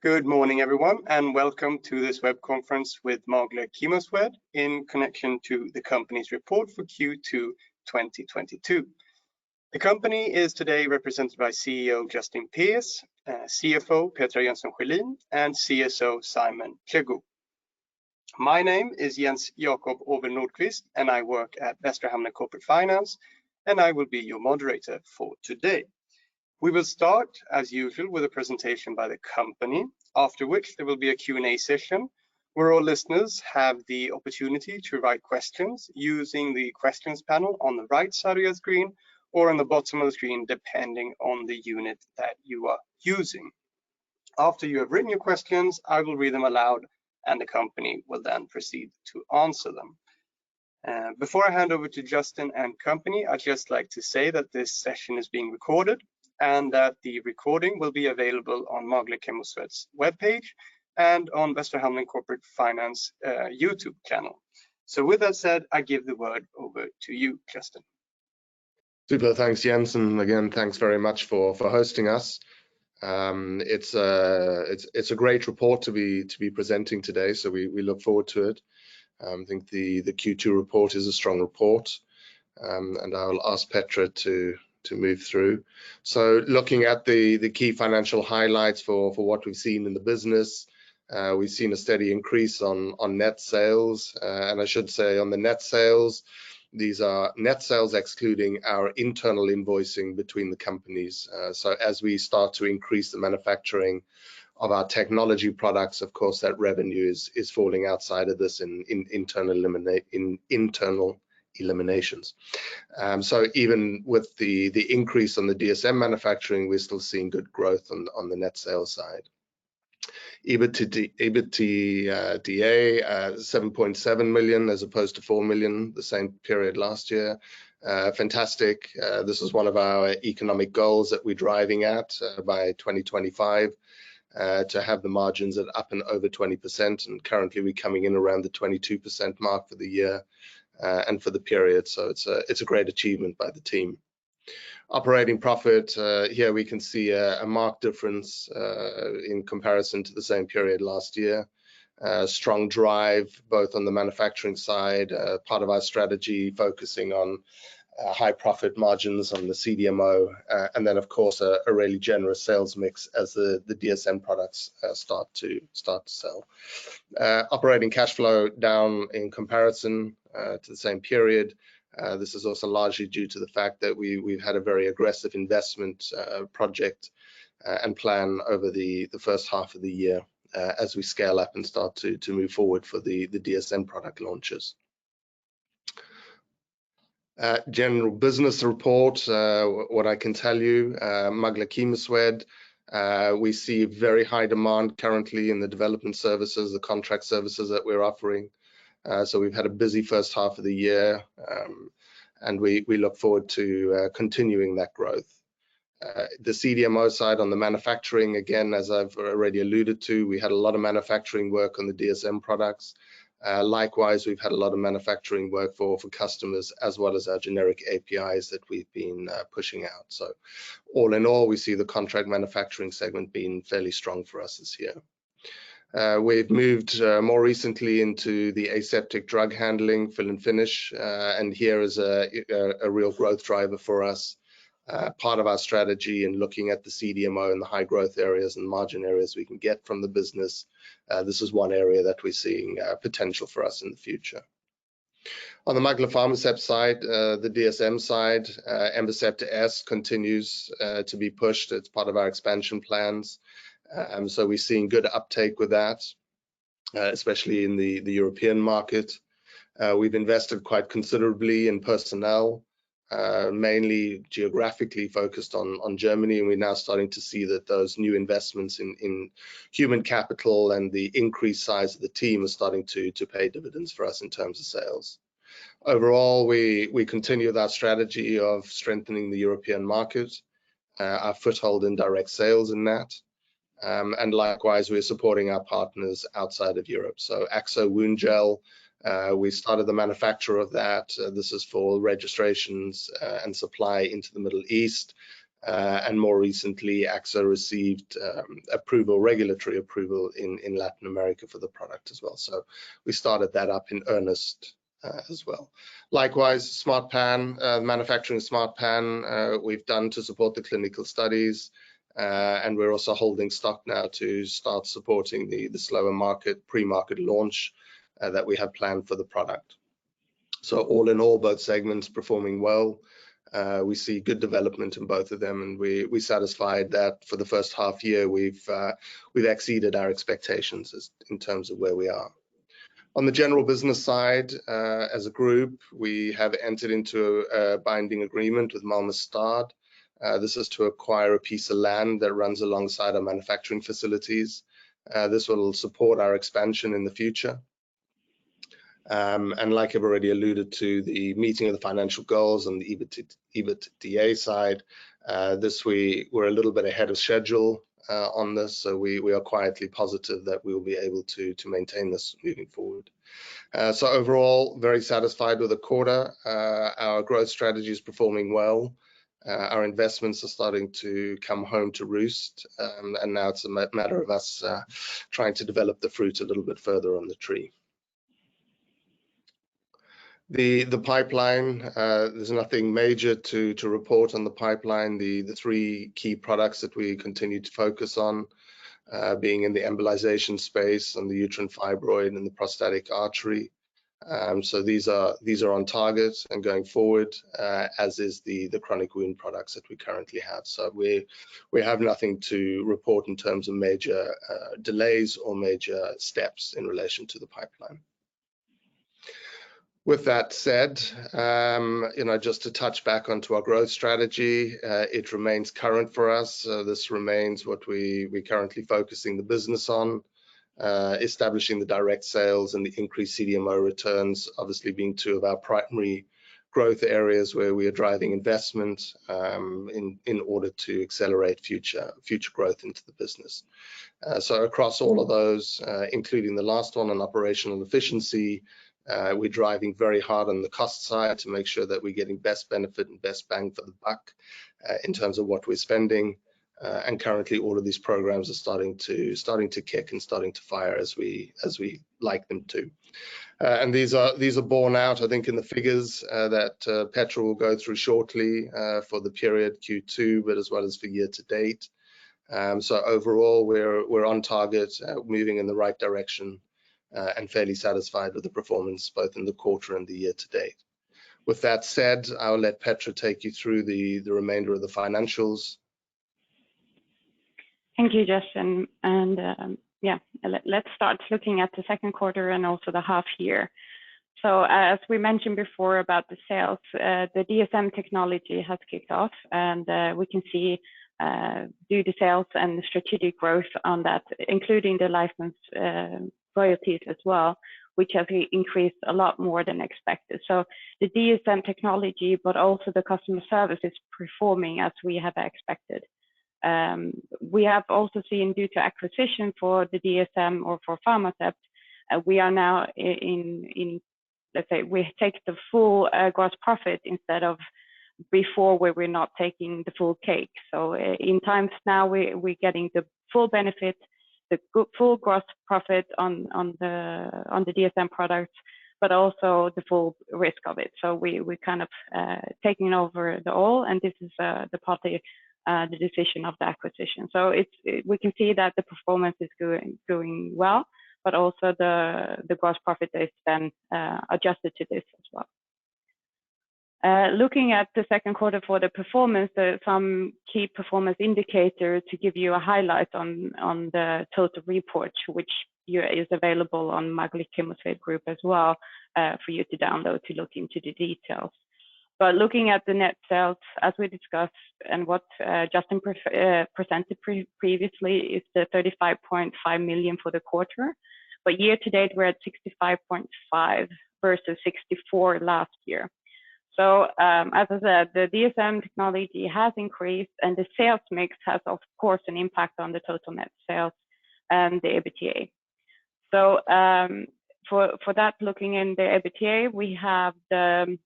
Good morning, everyone, and welcome to this web conference with Magle Chemoswed in connection to the company's report for Q2 2022. The company is today represented by CEO Justin Pierce, CFO Petra Jönsson Sjölin, and CSO Simon Jegou. My name is Jens Jacob Aabel Nordkvist, and I work at Västra Hamnen Corporate Finance, and I will be your moderator for today. We will start, as usual, with a presentation by the company. After which there will be a QA session where all listeners have the opportunity to write questions using the questions panel on the right side of your screen or on the bottom of the screen, depending on the unit that you are using. After you have written your questions, I will read them aloud, and the company will then proceed to answer them. Before I hand over to Justin and company, I'd just like to say that this session is being recorded and that the recording will be available on Magle Chemoswed's webpage and on Västra Hamnen Corporate Finance YouTube channel. With that said, I give the word over to you, Justin. Super. Thanks, Jens. Again, thanks very much for hosting us. It's a great report to be presenting today, so we look forward to it. I think the Q2 report is a strong report. I'll ask Petra to move through. Looking at the key financial highlights for what we've seen in the business, we've seen a steady increase on net sales. I should say on the net sales, these are net sales excluding our internal invoicing between the companies. As we start to increase the manufacturing of our technology products, of course, that revenue is falling outside of this in internal eliminations. Even with the increase on the DSM manufacturing, we're still seeing good growth on the net sales side. EBITDA, 7.7 million as opposed to 4 million the same period last year. Fantastic. This is one of our economic goals that we're driving at, by 2025, to have the margins at up and over 20%. Currently we're coming in around the 22% mark for the year, and for the period. It's a great achievement by the team. Operating profit, here we can see a marked difference, in comparison to the same period last year. Strong drive both on the manufacturing side, part of our strategy focusing on, high profit margins on the CDMO, and then of course a really generous sales mix as the DSM products start to sell. Operating cash flow down in comparison, to the same period. This is also largely due to the fact that we've had a very aggressive investment project and plan over the first half of the year as we scale up and start to move forward for the DSM product launches. General business report, what I can tell you, Magle Chemoswed, we see very high demand currently in the development services, the contract services that we're offering. We've had a busy first half of the year, and we look forward to continuing that growth. The CDMO side on the manufacturing, again, as I've already alluded to, we had a lot of manufacturing work on the DSM products. Likewise, we've had a lot of manufacturing work for customers as well as our generic APIs that we've been pushing out. All in all, we see the contract manufacturing segment being fairly strong for us this year. We've moved more recently into the aseptic drug handling fill and finish, and here is a real growth driver for us. Part of our strategy in looking at the CDMO and the high growth areas and margin areas we can get from the business, this is one area that we're seeing potential for us in the future. On the Magle PharmaCept side, the DSM side, EmboCept S continues to be pushed. It's part of our expansion plans. We're seeing good uptake with that, especially in the European market. We've invested quite considerably in personnel, mainly geographically focused on Germany. We're now starting to see that those new investments in human capital and the increased size of the team are starting to pay dividends for us in terms of sales. Overall, we continue with our strategy of strengthening the European market, our foothold in direct sales in that. We're supporting our partners outside of Europe. AXXO Woundgel, we started the manufacture of that. This is for registrations and supply into the Middle East. More recently, AXXO received regulatory approval in Latin America for the product as well. We started that up in earnest, as well. Likewise, SmartPAN, manufacturing SmartPAN, we've done to support the clinical studies. We're also holding stock now to start supporting the slower market, pre-market launch that we have planned for the product. All in all, both segments performing well. We see good development in both of them. We're satisfied that for the first half year we've exceeded our expectations in terms of where we are. On the general business side, as a group, we have entered into a binding agreement with Malmö Stad. This is to acquire a piece of land that runs alongside our manufacturing facilities. This will support our expansion in the future. Like I've already alluded to, the meeting of the financial goals on the EBIT, EBITDA side, this week we're a little bit ahead of schedule on this, so we are quietly positive that we will be able to maintain this moving forward. Overall, very satisfied with the quarter. Our growth strategy is performing well. Our investments are starting to come home to roost. Now it's a matter of us trying to develop the fruit a little bit further on the tree. The pipeline, there's nothing major to report on the pipeline. The three key products that we continue to focus on, being in the embolization space and the uterine fibroid and the prostatic artery. These are on target and going forward, as is the chronic wound products that we currently have. We have nothing to report in terms of major delays or major steps in relation to the pipeline. With that said, you know, just to touch back onto our growth strategy, it remains current for us. This remains what we're currently focusing the business on. Establishing the direct sales and the increased CDMO returns, obviously being two of our primary growth areas where we are driving investment in order to accelerate future growth into the business. Across all of those, including the last one on operational efficiency, we're driving very hard on the cost side to make sure that we're getting best benefit and best bang for the buck, in terms of what we're spending. Currently all of these programs are starting to kick and fire as we'd like them to. These are borne out, I think, in the figures that Petra will go through shortly, for the period Q2, but as well as for year to date. Overall we're on target, moving in the right direction, and fairly satisfied with the performance both in the quarter and the year to date. With that said, I'll let Petra take you through the remainder of the financials. Thank you, Justin. Let's start looking at the second quarter and also the half year. As we mentioned before about the sales, the DSM technology has kicked off and we can see due to sales and the strategic growth on that, including the license royalties as well, which have increased a lot more than expected. The DSM technology, but also the customer service is performing as we have expected. We have also seen due to acquisition for the DSM or for PharmaCept, we are now in, let's say we take the full gross profit instead of before where we're not taking the full cake. In terms now we're getting the full benefit, the full gross profit on the DSM products, but also the full risk of it. We're kind of taking over the whole, and this is the part of the decision of the acquisition. We can see that the performance is going well, but also the gross profit is then adjusted to this as well. Looking at the second quarter for the performance, some key performance indicators to give you a highlight on the total report, which is available on Magle Chemoswed Group as well, for you to download to look into the details. Looking at the net sales as we discussed and what Justin presented previously is the 35.5 million for the quarter. Year to date we're at 65.5 million versus 64 million last year. As I said, the DSM technology has increased and the sales mix has of course an impact on the total net sales, the EBITDA. For that, looking at the EBITDA, we have the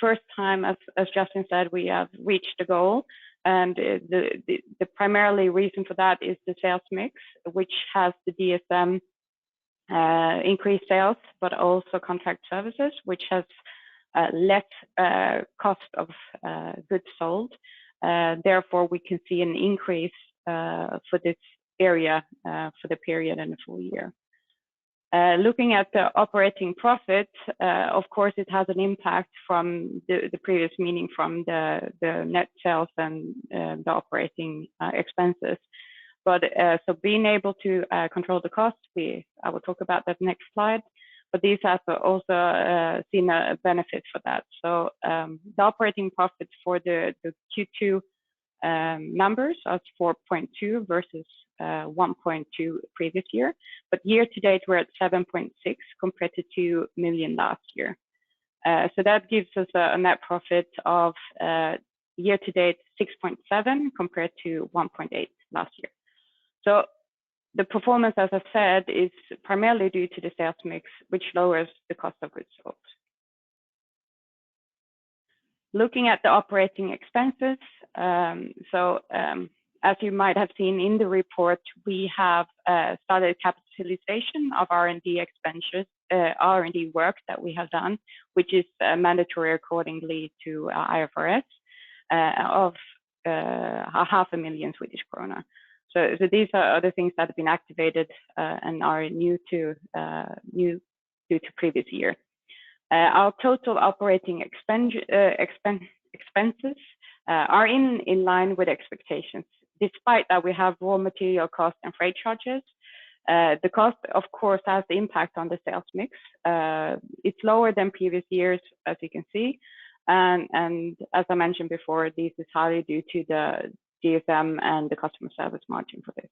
first time, as Justin said, we have reached the goal. The primary reason for that is the sales mix, which has the DSM increased sales, but also contract services, which has less cost of goods sold. Therefore, we can see an increase for this area for the period and the full year. Looking at the operating profit, of course it has an impact from the previous, meaning from the net sales and the operating expenses. Being able to control the cost, I will talk about that next slide, but these have also seen a benefit for that. The operating profits for the Q2 numbers are 4.2 versus 1.2 previous year. Year to date we're at 7.6 compared to 2 million last year. That gives us a net profit of year to date 6.7 compared to 1.8 last year. The performance, as I said, is primarily due to the sales mix, which lowers the cost of goods sold. Looking at the operating expenses, as you might have seen in the report, we have started capitalization of R&D expenses, R&D work that we have done, which is mandatory accordingly to IFRS, of SEK half a million. These are other things that have been activated, and are new due to previous year. Our total operating expenses are in line with expectations. Despite that we have raw material costs and freight charges. The cost of course has the impact on the sales mix, it's lower than previous years, as you can see. As I mentioned before, this is highly due to the DSM and the customer service margin for this.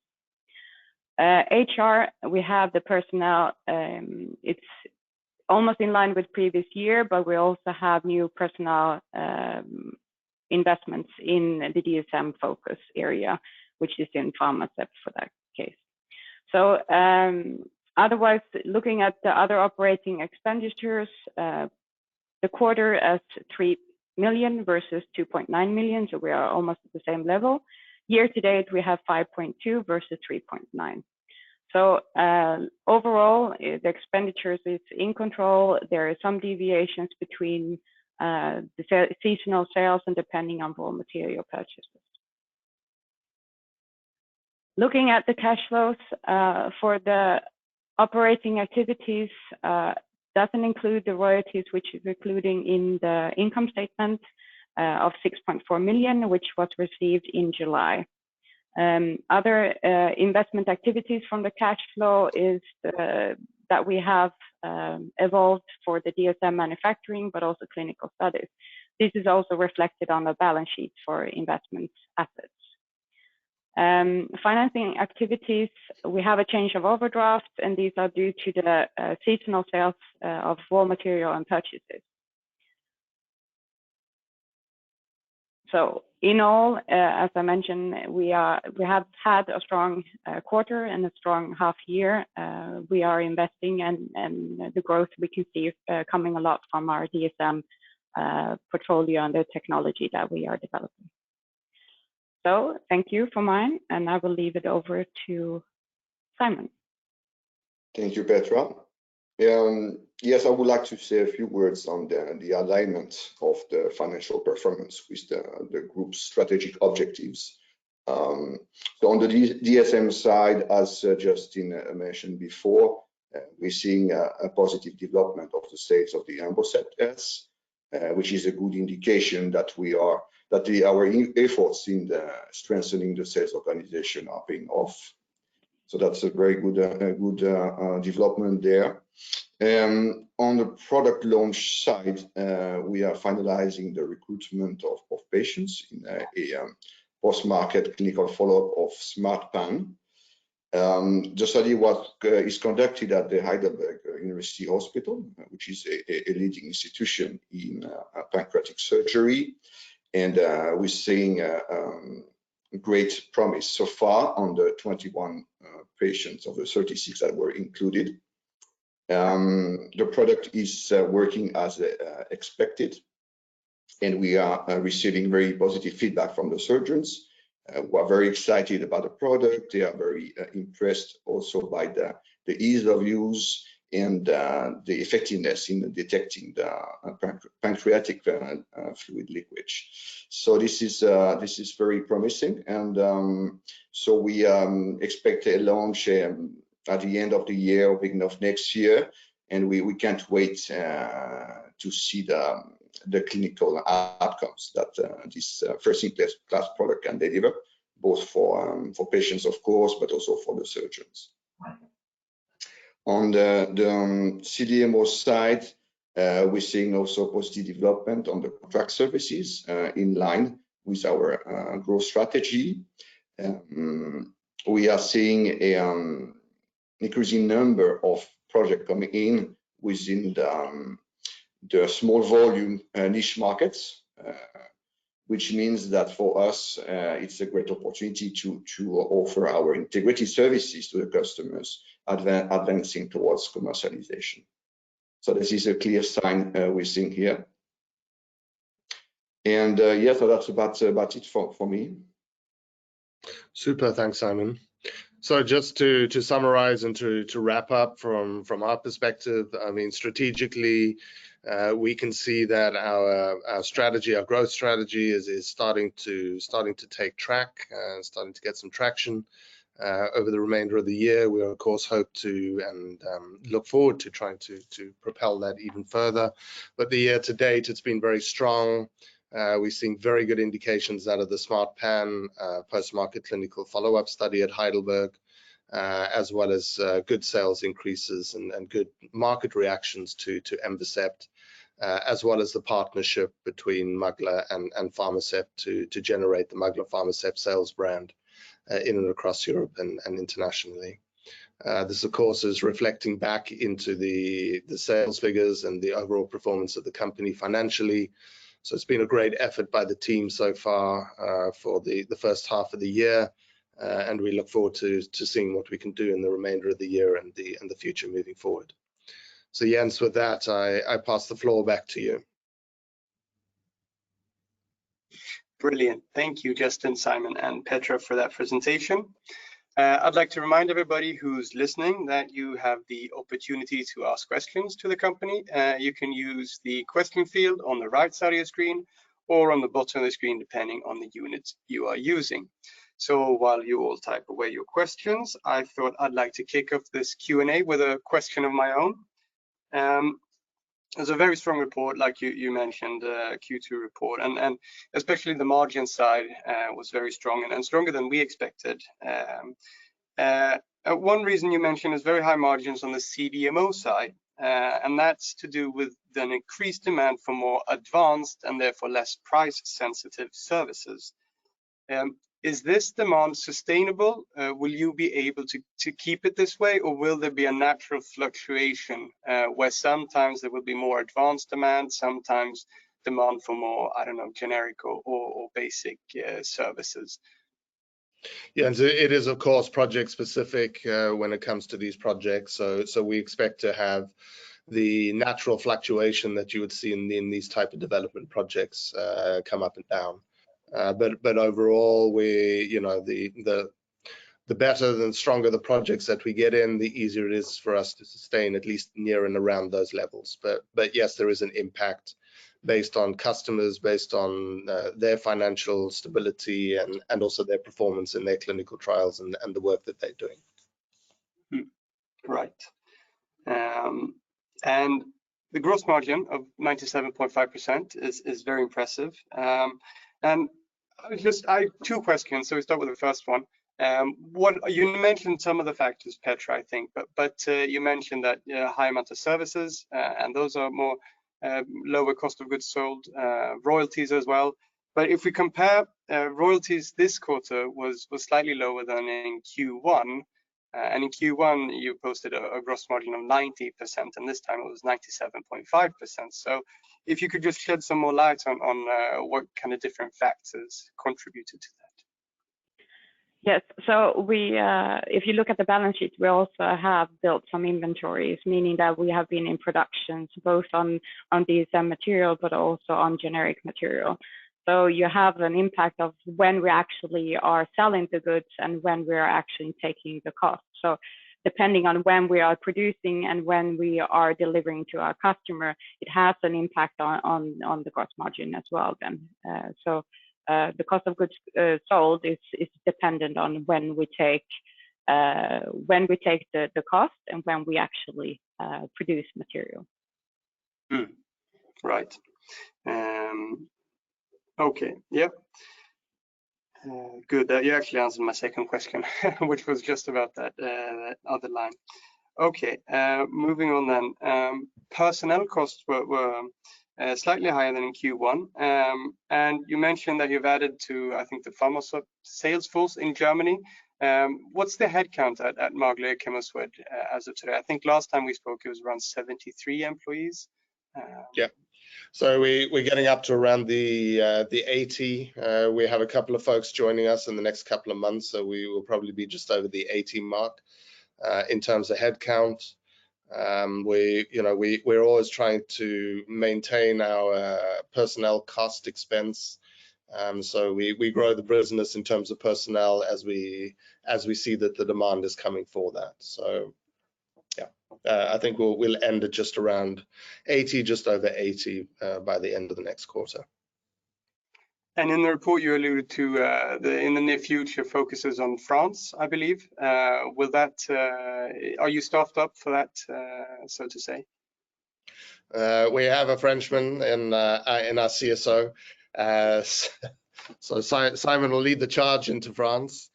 HR, we have the personnel. It's almost in line with previous year, but we also have new personnel, investments in the DSM focus area, which is in PharmaCept for that case. Otherwise, looking at the other operating expenditures, the quarter was 3 million versus 2.9 million, so we are almost at the same level. Year to date, we have 5.2 million versus 3.9 million. Overall, the expenditures is in control. There are some deviations between the seasonal sales and depending on raw material purchases. Looking at the cash flows, for the operating activities, doesn't include the royalties which is included in the income statement of 6.4 million, which was received in July. Other investment activities from the cash flow is that we have invested for the DSM manufacturing but also clinical studies. This is also reflected on the balance sheet for investment assets. Financing activities, we have a change of overdraft, and these are due to the seasonal sales of raw material and purchases. In all, as I mentioned, we have had a strong quarter and a strong half year. We are investing and the growth we can see coming a lot from our DSM portfolio and the technology that we are developing. Thank you for mine, and I will hand it over to Simon Jegou. Thank you, Petra. Yes, I would like to say a few words on the alignment of the financial performance with the group's strategic objectives. On the DSM side, as Justin mentioned before, we're seeing a positive development of the sales of the EmboCept S, which is a good indication that our efforts in strengthening the sales organization are paying off. That's a very good development there. On the product launch side, we are finalizing the recruitment of patients in a post-market clinical follow-up of SmartPAN. The study work is conducted at the Heidelberg University Hospital, which is a leading institution in pancreatic surgery. We're seeing great promise so far on the 21 patients of the 36 that were included. The product is working as expected, and we are receiving very positive feedback from the surgeons who are very excited about the product. They are very impressed also by the ease of use and the effectiveness in detecting the pancreatic fluid leakage. This is very promising. We expect a launch at the end of the year or beginning of next year. We can't wait to see the clinical outcomes that this first-in-class product can deliver, both for patients, of course, but also for the surgeons. On the CDMO side, we're seeing also positive development on the contract services in line with our growth strategy. We are seeing increasing number of projects coming in within the small volume niche markets, which means that for us, it's a great opportunity to offer our integrated services to the customers advancing towards commercialization. This is a clear sign we're seeing here. That's about it for me. Super. Thanks, Simon. Just to summarize and to wrap up from our perspective, I mean, strategically, we can see that our strategy, our growth strategy is starting to take traction. Over the remainder of the year, we of course hope to and look forward to trying to propel that even further. The year to date, it's been very strong. We've seen very good indications out of the SmartPAN post-market clinical follow-up study at Heidelberg, as well as good sales increases and good market reactions to EmboCept, as well as the partnership between Magle and PharmaCept to generate the Magle PharmaCept sales brand in and across Europe and internationally. This of course is reflecting back into the sales figures and the overall performance of the company financially. It's been a great effort by the team so far for the first half of the year, and we look forward to seeing what we can do in the remainder of the year and the future moving forward. Jens, with that, I pass the floor back to you. Brilliant. Thank you, Justin, Simon, and Petra for that presentation. I'd like to remind everybody who's listening that you have the opportunity to ask questions to the company. You can use the question field on the right side of your screen or on the bottom of the screen, depending on the unit you are using. While you all type away your questions, I thought I'd like to kick off this Q&A with a question of my own. It's a very strong report, like you mentioned, Q2 report, and especially the margin side was very strong and stronger than we expected. One reason you mentioned is very high margins on the CDMO side, and that's to do with an increased demand for more advanced, and therefore less price-sensitive services. Is this demand sustainable? Will you be able to keep it this way, or will there be a natural fluctuation, where sometimes there will be more advanced demand, sometimes demand for more, I don't know, generic or basic services? Yeah. It is of course project specific, when it comes to these projects. We expect to have the natural fluctuation that you would see in these type of development projects, come up and down. Overall we, you know, the better and stronger the projects that we get in, the easier it is for us to sustain at least near and around those levels. Yes, there is an impact based on customers, based on their financial stability and also their performance and their clinical trials and the work that they're doing. The gross margin of 97.5% is very impressive. Two questions. We start with the first one. You mentioned some of the factors, Petra, I think, but you mentioned that high amount of services and those are more lower cost of goods sold, royalties as well. If we compare royalties this quarter was slightly lower than in Q1. In Q1 you posted a gross margin of 90%, and this time it was 97.5%. If you could just shed some more light on what kind of different factors contributed to that. Yes. If you look at the balance sheet, we also have built some inventories, meaning that we have been in production both on these material, but also on generic material. You have an impact of when we actually are selling the goods and when we're actually taking the cost. Depending on when we are producing and when we are delivering to our customer, it has an impact on the gross margin as well then. The cost of goods sold is dependent on when we take the cost and when we actually produce material. Right. Okay. Good. You actually answered my second question, which was just about that other line. Okay. Moving on then. Personnel costs were slightly higher than in Q1. You mentioned that you've added to, I think, the PharmaCept sales force in Germany. What's the headcount at Magle Chemoswed as of today? I think last time we spoke it was around 73 employees. Yeah. We're getting up to around the 80. We have a couple of folks joining us in the next couple of months, so we will probably be just over the 80 mark in terms of headcount. You know, we're always trying to maintain our personnel cost expense. We grow the business in terms of personnel as we see that the demand is coming for that. Yeah. I think we'll end at just around 80, just over 80, by the end of the next quarter. In the report you alluded to, in the near future focuses on France, I believe. Are you staffed up for that, so to say? We have a Frenchman in our CSO. Simon will lead the charge into France.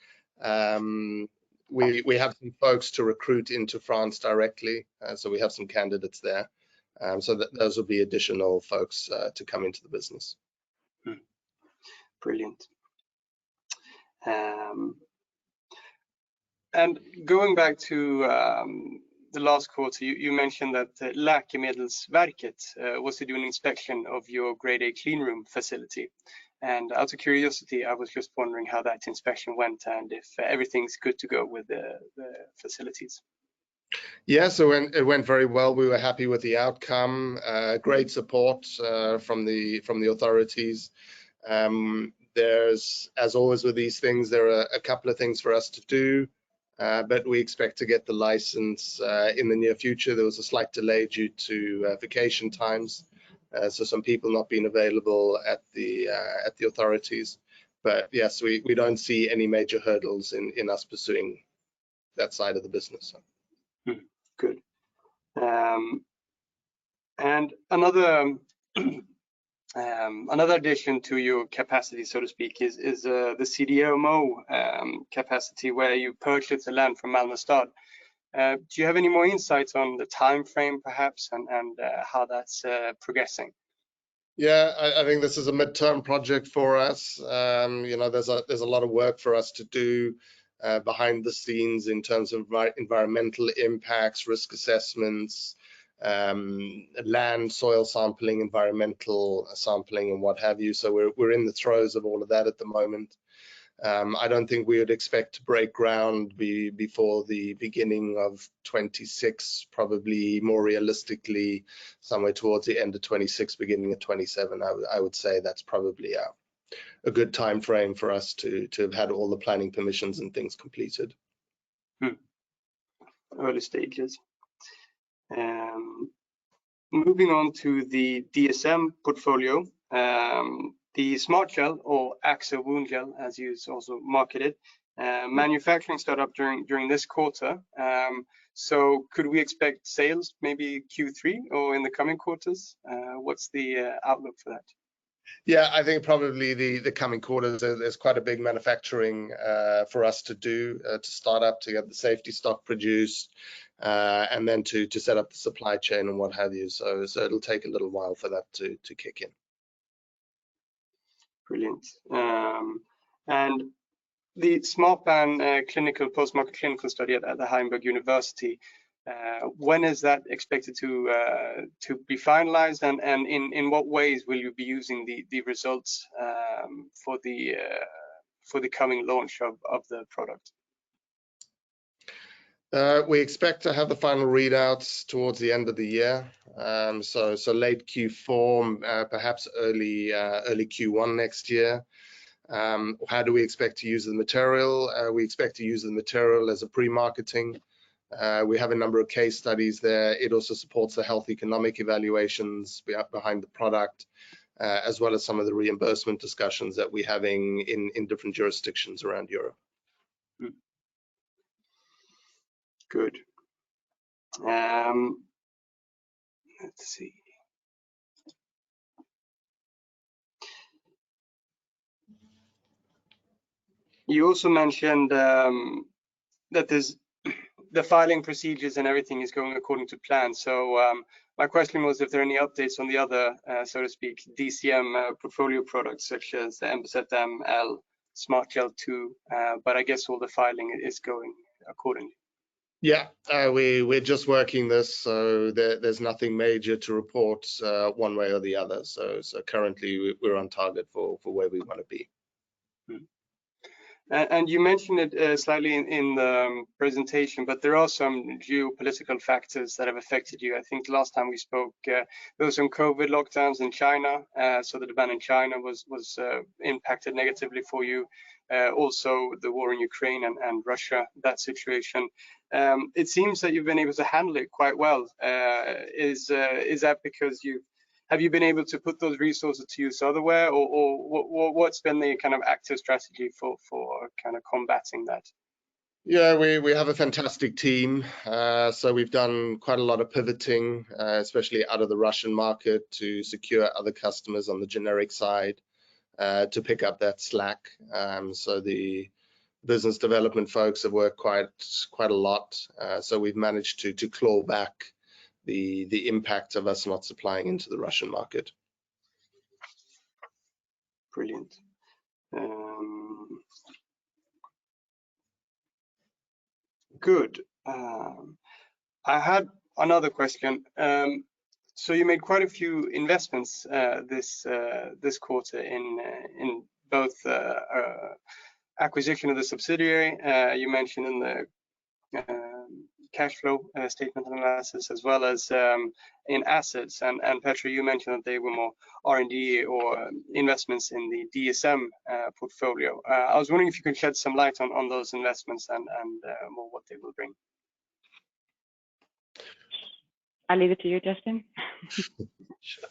We have some folks to recruit into France directly, so we have some candidates there. Those will be additional folks to come into the business. Brilliant. Going back to the last quarter, you mentioned that Läkemedelsverket was to do an inspection of your Grade A clean room facility. Out of curiosity, I was just wondering how that inspection went, and if everything's good to go with the facilities. Yeah. It went very well. We were happy with the outcome. Great support from the authorities. There's, as always with these things, there are a couple of things for us to do, but we expect to get the license in the near future. There was a slight delay due to vacation times, so some people not being available at the authorities. Yes, we don't see any major hurdles in us pursuing that side of the business, so. Good. Another addition to your capacity, so to speak, is the CDMO capacity where you purchased the land from Malmö Stad. Do you have any more insights on the timeframe perhaps and how that's progressing? Yeah. I think this is a midterm project for us. You know, there's a lot of work for us to do behind the scenes in terms of environmental impacts, risk assessments, land soil sampling, environmental sampling, and what have you. We're in the throes of all of that at the moment. I don't think we would expect to break ground before the beginning of 2026, probably more realistically, somewhere towards the end of 2026, beginning of 2027. I would say that's probably a good timeframe for us to have had all the planning permissions and things completed. Early stages. Moving on to the DSM portfolio. The SmartGel or AXXO Woundgel, as you also market it, manufacturing start up during this quarter. Could we expect sales maybe Q3 or in the coming quarters? What's the outlook for that? Yeah, I think probably the coming quarters, there's quite a big manufacturing for us to do, to start up to get the safety stock produced, and then to set up the supply chain and what have you. It'll take a little while for that to kick in. Brilliant. And the SmartPAN post-market clinical study at the Heidelberg University, when is that expected to be finalized? In what ways will you be using the results for the coming launch of the product? We expect to have the final readouts towards the end of the year. Late Q4, perhaps early Q1 next year. How do we expect to use the material? We expect to use the material as a pre-marketing. We have a number of case studies there. It also supports the health economic evaluations we have behind the product, as well as some of the reimbursement discussions that we're having in different jurisdictions around Europe. You also mentioned that there's the filing procedures and everything is going according to plan. My question was if there are any updates on the other, so to speak, CDMO portfolio products such as the EmboCept L, SmartGel II, but I guess all the filing is going accordingly. Yeah, we're just working this, so there's nothing major to report one way or the other. Currently we're on target for where we wanna be. You mentioned it slightly in the presentation, but there are some geopolitical factors that have affected you. I think last time we spoke, there was some COVID lockdowns in China, so the demand in China was impacted negatively for you. Also the war in Ukraine and Russia, that situation. It seems that you've been able to handle it quite well. Is that because you have you been able to put those resources to use elsewhere or what's been the kind of active strategy for kinda combating that? Yeah. We have a fantastic team. We've done quite a lot of pivoting, especially out of the Russian market to secure other customers on the generic side, to pick up that slack. The business development folks have worked quite a lot. We've managed to claw back the impact of us not supplying into the Russian market. Brilliant. Good. I had another question. You made quite a few investments this quarter in both acquisition of the subsidiary you mentioned in the cash flow statement analysis as well as in assets. Petra, you mentioned that they were more R&D or investments in the DSM portfolio. I was wondering if you could shed some light on those investments and more what they will bring. I'll leave it to you, Justin. Sure.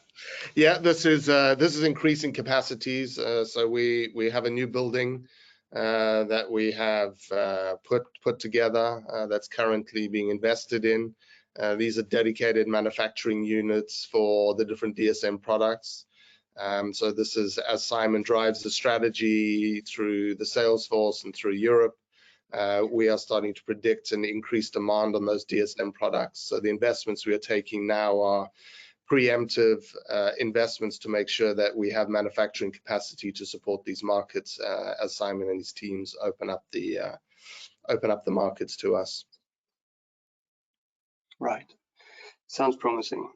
Yeah. This is increasing capacities. We have a new building that we have put together that's currently being invested in. These are dedicated manufacturing units for the different DSM products. This is as Simon drives the strategy through the sales force and through Europe, we are starting to predict an increased demand on those DSM products. The investments we are taking now are preemptive investments to make sure that we have manufacturing capacity to support these markets as Simon and his teams open up the markets to us. Right. Sounds promising.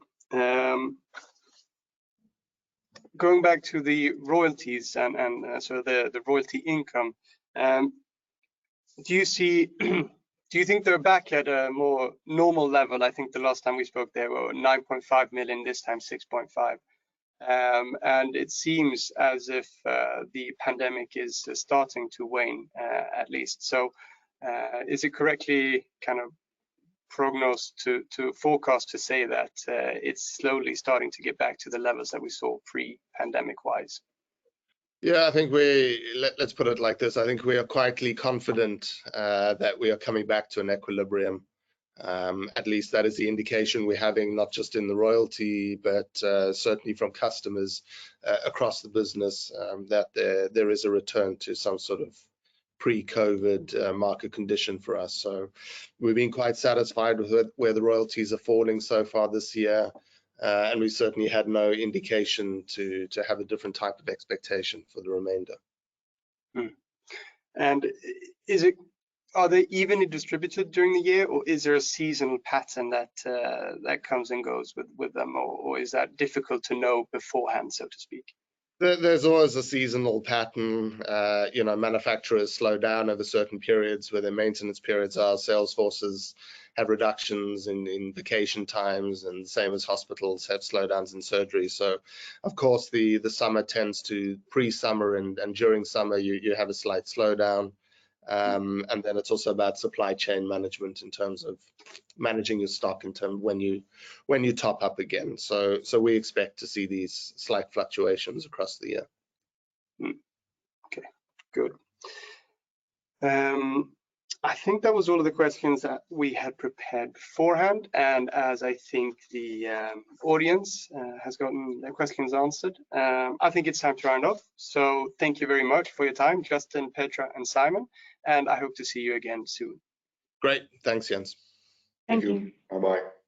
Going back to the royalties and so the royalty income, do you see? Do you think they're back at a more normal level? I think the last time we spoke they were 9.5 million, this time 6.5 million. And it seems as if the pandemic is starting to wane, at least. Is it correctly kind of prognosed to forecast to say that it's slowly starting to get back to the levels that we saw pre-pandemic-wise? I think we put it like this. I think we are quietly confident that we are coming back to an equilibrium. At least that is the indication we're having not just in the royalty, but certainly from customers across the business that there is a return to some sort of pre-COVID market condition for us. We've been quite satisfied with where the royalties are falling so far this year. We certainly had no indication to have a different type of expectation for the remainder. Are they evenly distributed during the year, or is there a seasonal pattern that comes and goes with them or is that difficult to know beforehand, so to speak? There's always a seasonal pattern. You know, manufacturers slow down over certain periods where their maintenance periods are. Sales forces have reductions in vacation times, and same as hospitals have slowdowns in surgery. Of course the summer tends to pre-summer and during summer you have a slight slowdown. Then it's also about supply chain management in terms of managing your stock when you top up again. We expect to see these slight fluctuations across the year. Okay. Good. I think that was all of the questions that we had prepared beforehand. As I think the audience has gotten their questions answered, I think it's time to round off. Thank you very much for your time, Justin, Petra, and Simon, and I hope to see you again soon. Great. Thanks, Jens. Thank you. Thank you. Bye-bye.